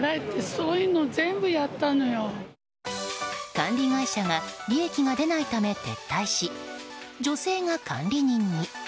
管理会社が利益が出ないため撤退し女性が管理人に。